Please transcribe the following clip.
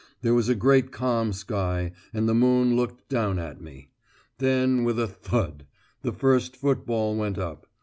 There was a great calm sky, and the moon looked down at me. Then with a "thud" the first football went up.